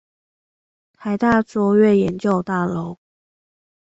臺大卓越研究大樓